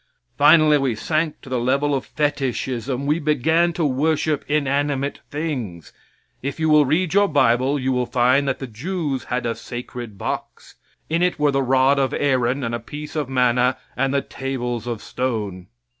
Finally we sank to the level of fetishism. We began to worship inanimate things. If you will read your bible you will find that the Jews had a sacred box. In it were the rod of Aaron and a piece of manna and the tables of stone.